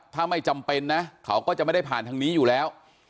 ถ้าไม่จำเป็นนะเขาก็จะไม่ได้ผ่านทางนี้อยู่แล้ว